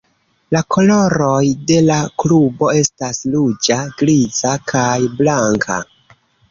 La koloroj de la klubo estas ruĝa, griza, kaj blanka.